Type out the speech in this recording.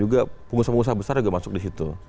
juga pengusaha pengusaha besar juga masuk disitu